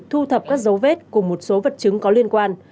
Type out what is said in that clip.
thu thập các dấu vết cùng một số vật chứng có liên quan